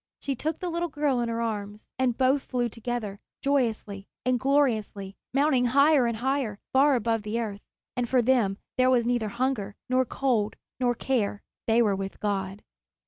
She took the little girl in her arms, and both flew together, joyously and gloriously, mounting higher and higher, far above the earth; and for them there was neither hunger, nor cold, nor care; they were with God.